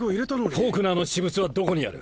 フォークナーの私物はどこにある？